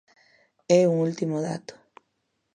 E un último dato.